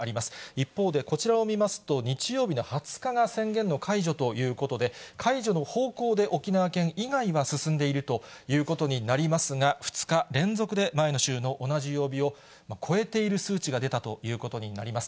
一方で、こちらを見ますと、日曜日の２０日が宣言の解除ということで、解除の方向で、沖縄県以外は進んでいるということになりますが、２日連続で前の週の同じ曜日を超えている数値が出たということになります。